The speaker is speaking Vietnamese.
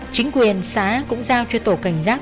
chính quyền xã cũng giao cho tổ cảnh giác